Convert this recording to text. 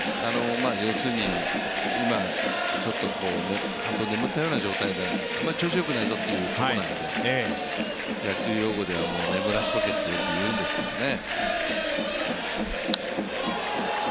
要するに今、ちょっと半分眠ったような状態調子が良くないぞというとこなので野球用語では眠らせておけと、よく言うんですけどね。